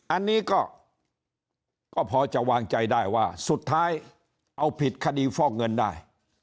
อันนี้ก็พอจะวางใจได้ว่าสุดท้ายเอาผิดคดีฟอกเงินได้